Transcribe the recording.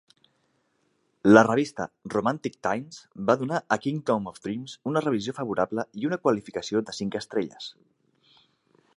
La revista "Romantic Times" va donar "A Kingdom of Dreams" una revisió favorable i una qualificació de cinc estrelles.